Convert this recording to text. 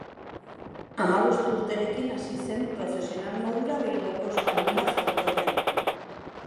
Hamabost urterekin hasi zen profesional modura Bilboko Euskalduna frontoian.